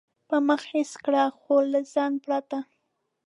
پر مخ حس کړ، خو له ځنډه پرته.